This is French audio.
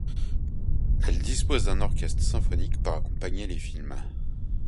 Elle dispose d'un orchestre symphonique pour accompagner les films.